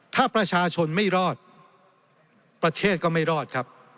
ถ้าประชาชนไม่รอดประเทศก็ไม่รอดครับ